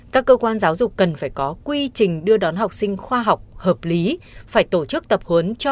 các cơ quan giáo dục cần phải có